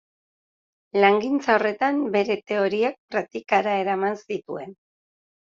Langintza horretan, bere teoriak praktikara eraman zituen.